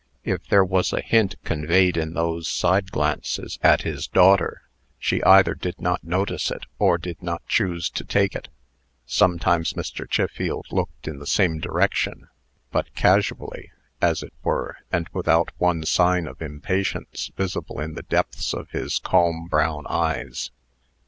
If there was a hint conveyed in those side glances at his daughter, she either did not notice it, or did not choose to take it. Sometimes Mr. Chiffield looked in the same direction, but casually, as it were, and without one sign of impatience visible in the depths of his calm brown eyes.